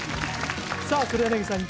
さあ黒柳さん